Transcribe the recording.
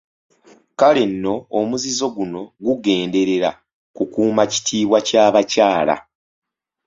Kale nno omuzizo guno gugenderera kukuuma kitiibwa ky'abakyala.